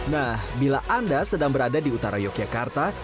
nah bila anda sedang berada di utara yogyakarta